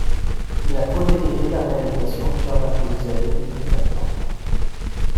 Il a co-dirigé la réalisation du jardin paysager du Pré-Catelan.